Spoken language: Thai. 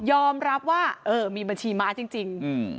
อมรับว่าเออมีบัญชีม้าจริง